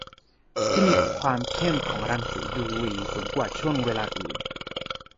ที่มีความเข้มของรังสียูวีสูงกว่าช่วงเวลาอื่น